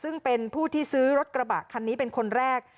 ซึ่งเป็นผู้ที่ซื้อรถกระบะคันนี้เป็นคนแรก